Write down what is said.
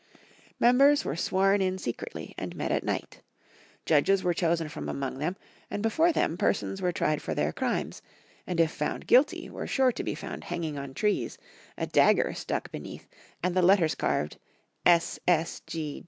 Members were sworn in secretly, and met at night. Judges were chosen from among them, and before them persons were tried for their crimes, and if found guilty were sure to be found hanging on trees, a dagger stuck be neath, and the letters carved, S. S.